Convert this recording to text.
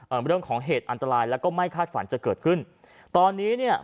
เรื่องของเหตุอันตรายแล้วก็ไม่คาดฝันจะเกิดขึ้นตอนนี้เนี่ย